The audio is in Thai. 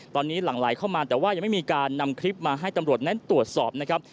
ตอนนี้หลั่งไหลเข้ามาแต่ว่ายังไม่มีการนำคลิปมาให้ตำรวจนั้นตรวจสอบนะครับ